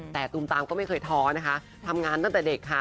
แต่ตูมตามก็ไม่เคยท้อนะคะทำงานตั้งแต่เด็กค่ะ